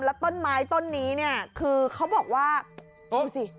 แล้วต้นไม้ต้นนี้เนี่ยคือเขาบอกว่าดูสิ